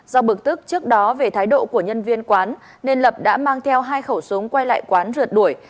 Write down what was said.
do bực tức trước đó về thái độ của nhân viên quán nên lập đã mang theo hai khẩu súng quay lại quán rượt đuổi